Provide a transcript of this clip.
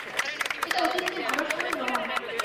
এটা অতীত নিয়ে ভাবার সময় নয়।